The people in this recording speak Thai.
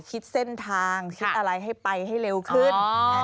คิดเส้นทางคิดอะไรให้ไปให้เร็วขึ้น